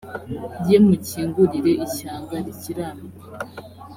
ye mukingurire ishyanga rikiranuka